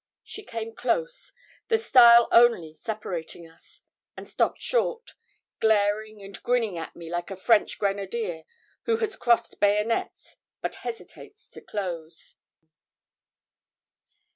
She came close, the stile only separating us, and stopped short, glaring and grinning at me like a French grenadier who has crossed bayonets, but hesitates to close.